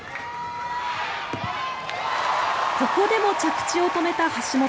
ここでも着地を止めた橋本。